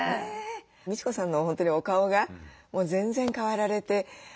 みち子さんの本当にお顔がもう全然変わられて。